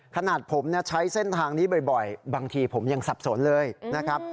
ขนาดผมใช้เส้นทางนี้บ่อยบางทีผมยังสับสนเลยนะครับ